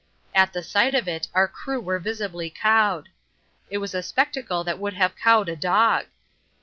At the sight of it our crew were visibly cowed. It was a spectacle that would have cowed a dog.